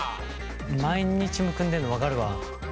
毎日むくんでるの分かるわ。